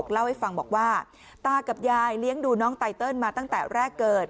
เล่าให้ฟังบอกว่าตากับยายเลี้ยงดูน้องไตเติลมาตั้งแต่แรกเกิด